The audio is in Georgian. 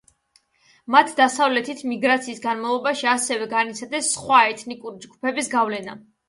მათ დასავლეთით მიგრაციის განმავლობაში ასევე განიცადეს სხვა ეთნიკური ჯგუფების გავლენა.